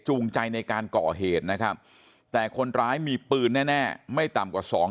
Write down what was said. ใจในการก่อเหตุนะครับแต่คนร้ายมีปืนแน่ไม่ต่ำกว่าสอง